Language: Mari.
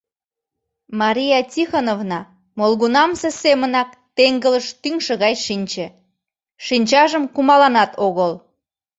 Мария Тихоновна молгунамсе семынак теҥгылыш тӱҥшӧ гай шинче, шинчажым кумаланат огыл.